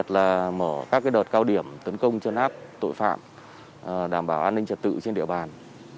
các đợt cao điểm tấn công chân áp tội phạm đảm bảo an ninh trật tự trên địa bàn